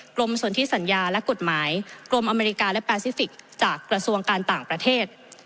สนที่สัญญาและกฎหมายกรมอเมริกาและแปซิฟิกส์จากกระทรวงการต่างประเทศ